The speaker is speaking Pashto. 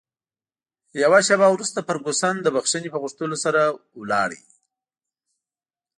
یوه شیبه وروسته فرګوسن د بښنې په غوښتلو سره ولاړه.